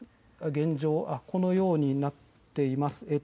現状、このようになっています。